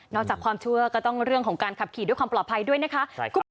จากความเชื่อก็ต้องเรื่องของการขับขี่ด้วยความปลอดภัยด้วยนะคะ